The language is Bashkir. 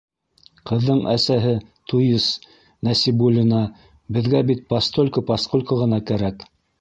Ҡыҙҙың әсәһе... туйыс, Нәсибуллина, беҙгә бит постольку поскольку ғына кәрәк!